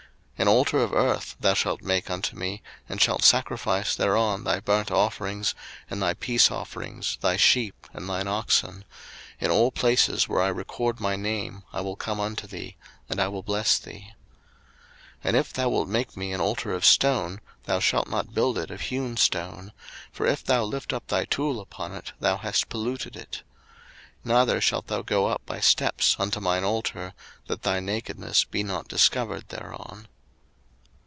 02:020:024 An altar of earth thou shalt make unto me, and shalt sacrifice thereon thy burnt offerings, and thy peace offerings, thy sheep, and thine oxen: in all places where I record my name I will come unto thee, and I will bless thee. 02:020:025 And if thou wilt make me an altar of stone, thou shalt not build it of hewn stone: for if thou lift up thy tool upon it, thou hast polluted it. 02:020:026 Neither shalt thou go up by steps unto mine altar, that thy nakedness be not discovered thereon.